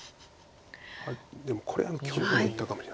でもこれは去年も言ったかもしれない。